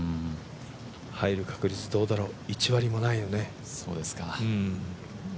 入る確率、どうだろう、１割もないよね。